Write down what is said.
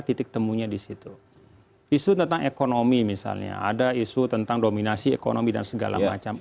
titik temunya di situ isu tentang ekonomi misalnya ada isu tentang dominasi ekonomi dan segala macam